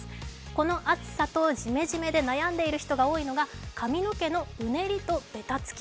この暑さとジメジメで悩んでいる人が多いのが髪の毛のうねりとべたつき。